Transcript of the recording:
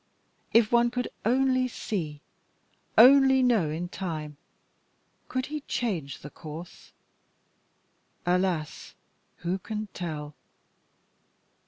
If one could only see only know in time could he change the course? Alas! who can tell?"